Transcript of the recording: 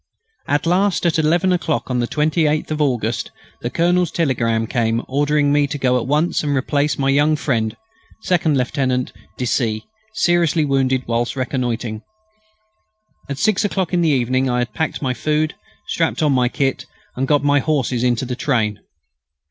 At last, at eleven o'clock on the 28th of August, the colonel's telegram came ordering me to go at once and replace my young friend, Second Lieutenant de C., seriously wounded whilst reconnoitring. At six o'clock in the evening I had packed my food, strapped on my kit, and got my horses into the train.